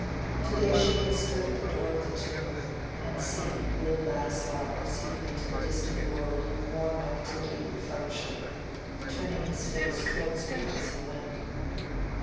Today she had stood at the door of the tomb and seen Will Ladislaw receding into the distant world of warm activity and fellowship—turning his face towards her as he went.